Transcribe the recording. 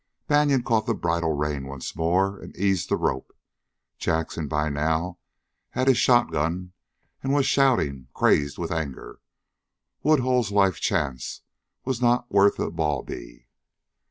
Banion caught the bridle rein once more and eased the rope. Jackson by now had his shotgun and was shouting, crazed with anger. Woodhull's life chance was not worth a bawbee.